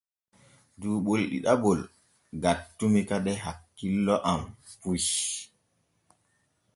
Duu ɓol ɗiɗaɓol gattumi kade hakkilo am puy.